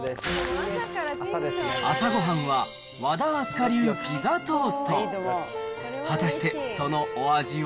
朝ごはんは和田明日香流ピザトースト。